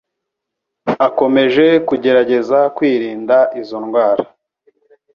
akomeje kugerageza kwirinda izo indwara